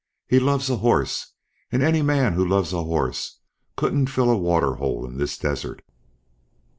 He loves a horse, and any man who loves a horse couldn't fill a waterhole in this desert."